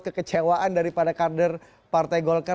kekecewaan daripada kader partai golkar